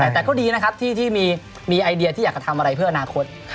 แต่ก็ดีนะครับที่มีไอเดียที่อยากจะทำอะไรเพื่ออนาคต